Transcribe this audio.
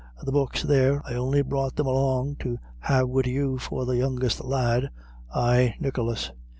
And the books there I on'y brought them along to lave wid you for the youngest lad ay, Nicholas.